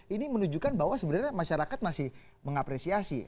ini menunjukkan bahwa sebenarnya masyarakat masih mengapresiasi